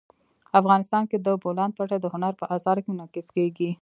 افغانستان کې د بولان پټي د هنر په اثار کې منعکس کېږي.